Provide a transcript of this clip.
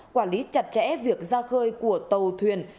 quản lý chặt chẽ việc ra khơi của tàu thuyền